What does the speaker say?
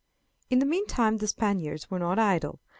In the meantime the Spaniards were not idle.